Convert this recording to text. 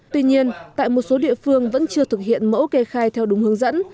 tuy nhiên tại một số địa phương vẫn chưa thực hiện mẫu kê khai theo đúng hướng dẫn